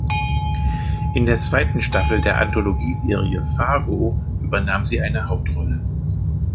In der zweiten Staffel der Anthologieserie "Fargo" übernahm sie eine Hauptrolle.